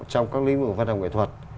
trong các lĩnh vực văn hóa nghệ thuật